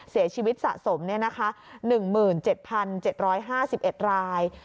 เสียชีวิตสะสมเนี่ยนะคะ๑๗๗๕๑ราย